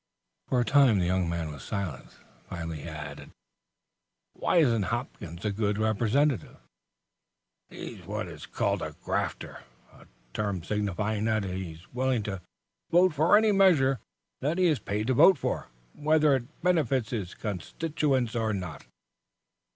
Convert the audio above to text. For a time the young man was silent. Finally he asked: "Why isn't Hopkins a good Representative?" "He's what is called a 'grafter'; a term signifying that he is willing to vote for any measure that he is paid to vote for, whether it benefits his constituents or not."